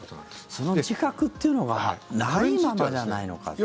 その自覚っていうのがないままじゃないのかという。